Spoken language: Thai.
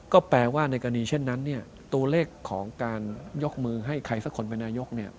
ก็แปลว่าในกรณีเช่นนั้นตัวเลขของการยกมือให้ใครสักคนเป็นนายก